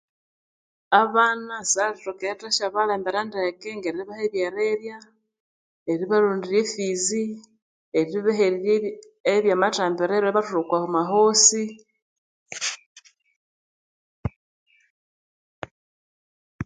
Abana syalithoka erithasya balembera ndeke ngeribaha ebyerirya, eribaronderya e fizi eribahererya ebye, ebya mathambiriro eribathwalha oku mahosi